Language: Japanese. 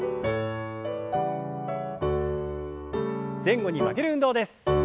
前後に曲げる運動です。